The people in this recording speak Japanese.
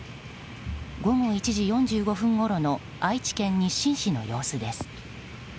午後１時４５分ごろの愛知県日進市の様子です。